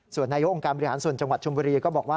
ส่วนนายกองค์การบริหารส่วนจังหวัดชมบุรีก็บอกว่า